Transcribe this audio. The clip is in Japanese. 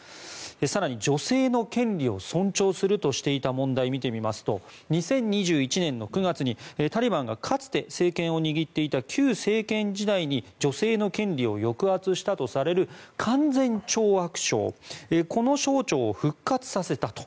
更に女性の権利を尊重するとしていた問題を見てみますと２０２１年９月に、タリバンがかつて政権を握っていた旧政権時代に女性の権利を抑圧したとされる勧善懲悪省を復活させたと。